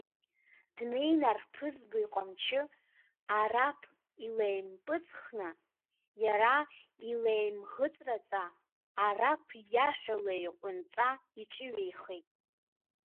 Днеины арԥызба иҟамчы араԥ илеимпыҵхны иара илеимӷыҵраҵа, араԥ иаҳәа леиҟәынҵа иҿыҩеихеит.